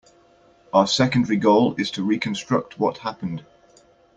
Our secondary goal is to reconstruct what happened.